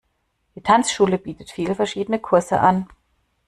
Die Tanzschule bietet viele verschiedene Kurse an.